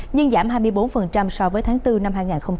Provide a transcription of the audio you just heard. nhưng giảm hai mươi bốn so với tháng bốn năm hai nghìn hai mươi